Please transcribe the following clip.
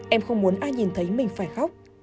em không muốn ai nhìn thấy mình phải khóc